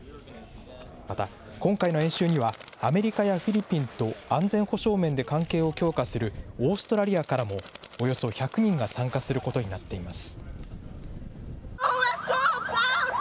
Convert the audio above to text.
また、今回の演習には、アメリカやフィリピンと安全保障面で関係を強化するオーストラリアからも、およそ１００人が参加することになっています。